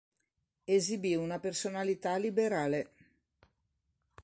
Esibì una personalità liberale.